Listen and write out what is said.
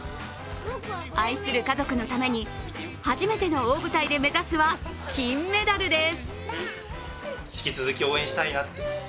愛する家族のために、初めての大舞台で目指すは金メダルです。